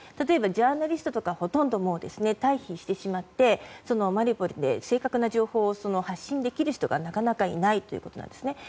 ジャーナリストなどはほとんど退避してしまってマリウポリで正確な情報を発信できる人がなかなかいないということ。